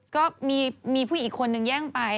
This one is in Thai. ก็มีผู้หญิงอีกคนนึงแย่งไป